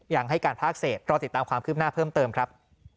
ยังให้การภาคเศษรอติดตามความคืบหน้าเพิ่มเติมครับ